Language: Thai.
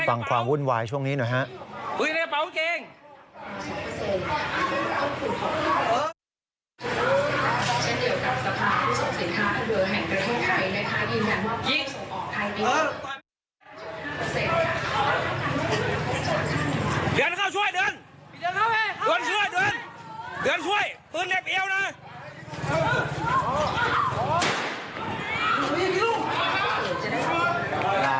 ความวุ่นวายช่วงนี้หน่อยฮะ